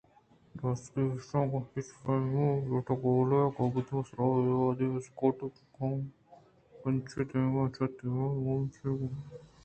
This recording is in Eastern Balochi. راستی ءَ ایشاں گوں ہچ پیمیں پروٹوکول ءِ کاگدانی سرا اے وہدی بسکوٹ ءُکنچت ءِ دانگ شنگ اِت اَنت کہ مومس گوں بئیر ءَ نشتگ ءُژپگّ ءَ اَت